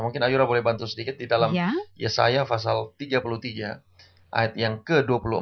mungkin ayura boleh bantu sedikit di dalam yesaya fasal tiga puluh tiga ayat yang ke dua puluh empat